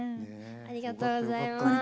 ありがとうございます。